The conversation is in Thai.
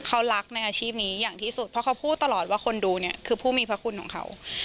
เขารักในอาชีพนี้อย่างที่สุดเพราะเขาพูดตลอดว่าคนดูเนี่ยคือผู้มีพระคุณของเขา